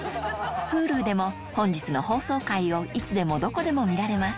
Ｈｕｌｕでも本日の放送回をいつでもどこでも見られます